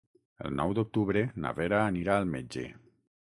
El nou d'octubre na Vera anirà al metge.